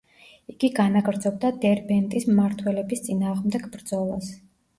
იგი განაგრძობდა დერბენტის მმართველების წინააღმდეგ ბრძოლას.